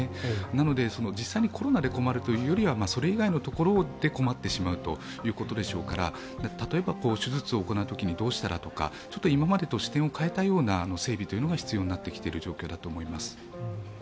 なので実際にコロナで困るというよりはそれ以外のところで困ってしまうということでしょうから例えば手術を行うときにどうしたらとか、今までと視点を変えたような整備が必要になってきている状況だと思います。